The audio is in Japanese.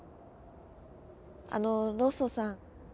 あのロッソさん。